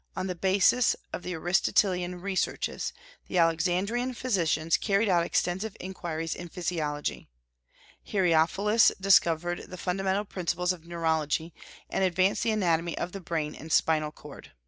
On the basis of the Aristotelian researches, the Alexandrian physicians carried out extensive inquiries in physiology. Herophilus discovered the fundamental principles of neurology, and advanced the anatomy of the brain and spinal cord.